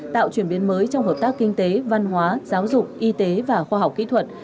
tạo chuyển biến mới trong hợp tác kinh tế văn hóa giáo dục y tế và khoa học kỹ thuật